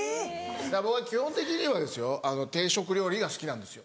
僕基本的にはですよ定食料理が好きなんですよ。